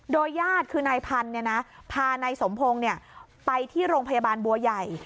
โดยญาติคือนายพันธุ์พานายสมพงศ์ไปที่โรงพยาบาลบัวใหญ่